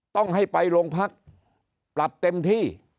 ต้องให้ไปโรงพักปรับเต็มที่